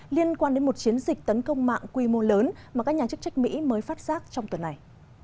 liên quan đến một chiến dịch tấn công mạng quy mô lớn mà các nhà chức trách mỹ mới phát giác trong tuần này